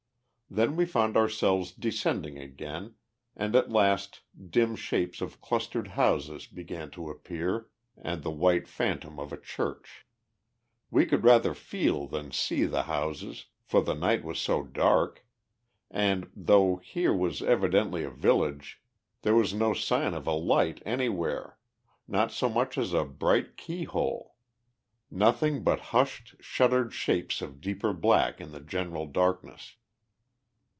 Then we found ourselves descending again, and at last dim shapes of clustered houses began to appear, and the white phantom of a church. We could rather feel than see the houses, for the night was so dark, and, though here was evidently a village, there was no sign of a light anywhere, not so much as a bright keyhole; nothing but hushed, shuttered shapes of deeper black in the general darkness.